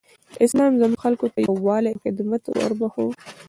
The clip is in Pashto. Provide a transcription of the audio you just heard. اسلام زموږ خلکو ته یووالی او حدت وروباښه.